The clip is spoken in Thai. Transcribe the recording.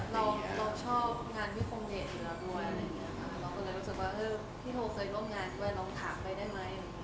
อืม